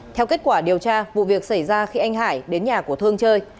theo kết quả điều tra vụ việc xảy ra khi anh hải đến nhà của thương chơi